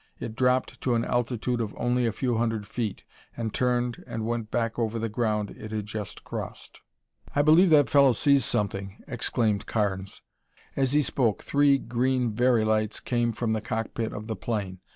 It dropped to an altitude of only a few hundred feet and turned and went back over the ground it had just crossed. "I believe that fellow sees something!" exclaimed Carnes. As he spoke, three green Very lights came from the cockpit of the plane.